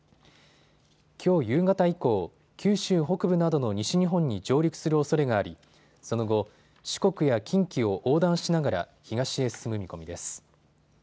きょう夕方以降、九州北部などの西日本に上陸するおそれがありその後、四国や近畿を横断しながら東へ進む見込みです。